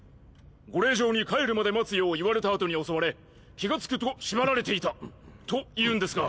ご令嬢に帰るまで待つよう言われた後に襲われ気が付くとしばられていたというんですが。